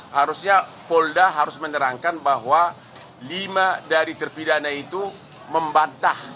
harusnya polda harus menerangkan bahwa lima dari terpidana itu membantah